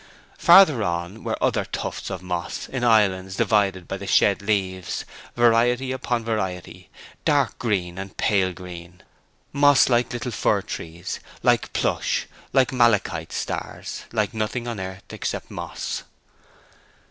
Farther on were other tufts of moss in islands divided by the shed leaves—variety upon variety, dark green and pale green; moss like little fir trees, like plush, like malachite stars, like nothing on earth except moss.